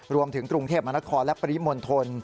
รวมถึงกรุงเทพมนครและปริมณฑล